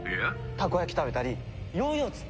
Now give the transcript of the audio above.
たこ焼き食べたりヨーヨー釣ったり。